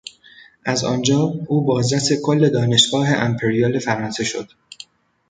از آنجا، او بازرس کل دانشگاه امپریال فرانسه شد.